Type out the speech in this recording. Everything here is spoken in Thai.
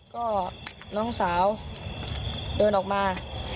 ก็น้องสาวเดินออกมา